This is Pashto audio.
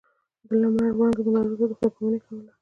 د لمر وړانګې منارو ته خداې پا ماني کوله.